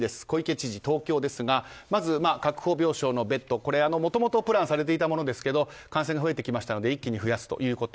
小池知事、東京ですがまず確保病床のベッドもともとプランされていたものですが感染が増えてきたので一気に増やすと。